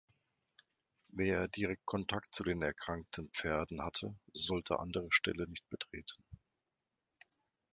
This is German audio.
Wer direkt Kontakt zu den erkrankten Pferden hatte, sollte andere Ställe nicht betreten.